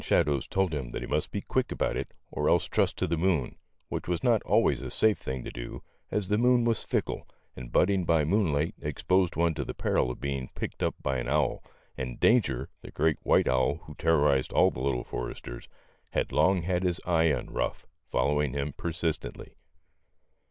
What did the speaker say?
117 shadows lold him that he must be quick about it or else trust to the moon, which was not always a safe thing to do, as the moon was fickle, and budding by moonlight exposed one to the peril of being picked up by an owl, and Danger, the great white owl who terrorized all the Little Foresters, had long had his eye on Ruff, following him persistently.